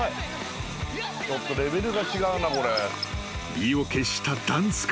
［意を決したダンス君］